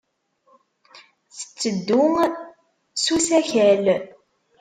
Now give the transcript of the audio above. Tetteddu s usakal.